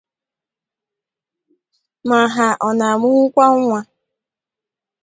ma ha ọ na-amụnwukwa nwa